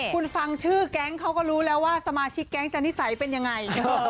คุณฟังชื่อแก๊งเขาก็รู้แล้วว่าสมาชิกแก๊งจะนิสัยเป็นยังไง